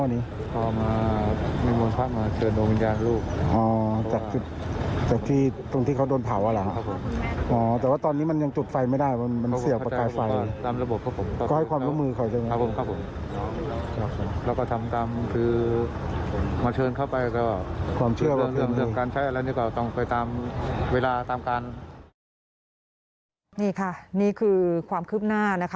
นี่ค่ะนี่คือความคืบหน้านะคะ